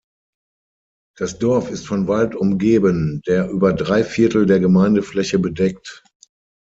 Das Dorf ist von Wald umgeben, der über drei Viertel der Gemeindefläche bedeckt.